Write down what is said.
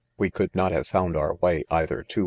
We could not have found our way, either to.